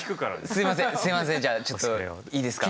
すいません。